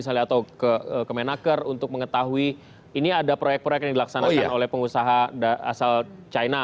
atau ke kemenaker untuk mengetahui ini ada proyek proyek yang dilaksanakan oleh pengusaha asal china